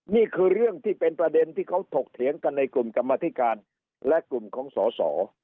นี่คือเรื่องที่เป็นประเด็นที่เขาถกเถียงกันในกลุ่มกรรมธิการและกลุ่มของสอสอ